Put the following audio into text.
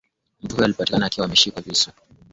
mtu huyo alipatikana akiwa ameshikilia vifusi vilivyoelea